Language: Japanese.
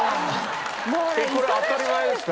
これ当たり前ですか？